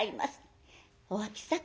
お秋さん